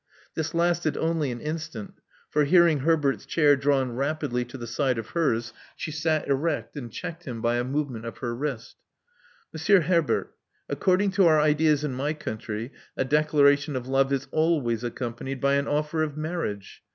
This lasted only an instant; for, hearing Herbert's chair drawn rapidly to the side of hers, she sat erect, and checked him by a movement of her wrist. Monsieur Herbert: according to our ideas in my country a declaration of love is always accompanied by an offer of marriage.